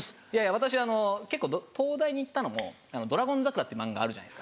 私結構東大に行ったのも『ドラゴン桜』って漫画があるじゃないですか。